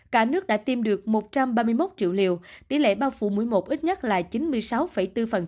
cả nước đã tiêm được một trăm ba mươi một triệu liều tỷ lệ bao phủ một mươi một ít nhất là chín mươi sáu bốn